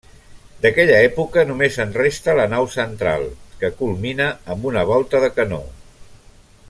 D'aquella època només en resta la nau central, que culmina amb una volta de canó.